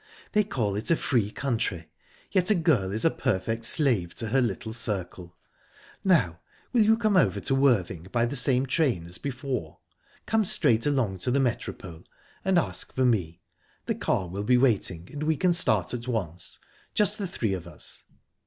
They call it a free country, yet a girl is a perfect slave to her little circle...Now, will you come over to Worthing by the same train as before? Come straight along to the Metropole, and ask for me. The car will be waiting, and we can start at once just the three of us."